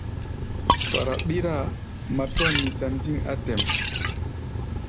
Fara ɓíráa, matúa misa ndîŋ á tɛ̌ʼm.